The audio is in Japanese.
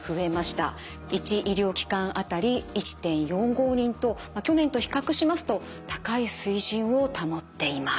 １医療機関当たり１．４５人と去年と比較しますと高い水準を保っています。